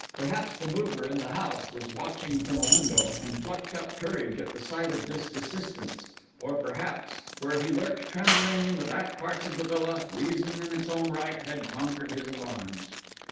Perhaps the mover in the house was watching from a window, and plucked up courage at the sight of this desistance; or perhaps, where he lurked trembling in the back parts of the villa, reason in its own right had conquered his alarms.